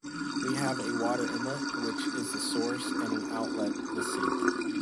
We have a water inlet, which is the source, and an outlet, the sink.